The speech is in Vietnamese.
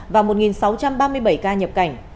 và một sáu trăm ba mươi bảy ca nhập cảnh